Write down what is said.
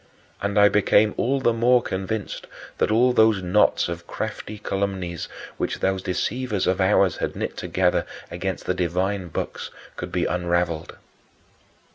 And I became all the more convinced that all those knots of crafty calumnies which those deceivers of ours had knit together against the divine books could be unraveled.